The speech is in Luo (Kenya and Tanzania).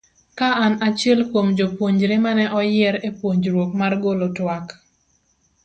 ka an achiel kuom jopuonjre maneoyier e puonjruok mar golo twak